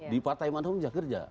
di partai mana pun bisa kerja